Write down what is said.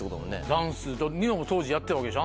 ダンスニノも当時やってたわけでしょ